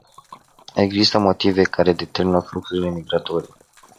Există motive care determină fluxurile migratorii.